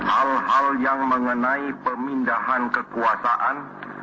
hal hal yang mengenai pemindahan kekuasaan